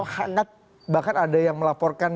hangat bahkan ada yang melaporkan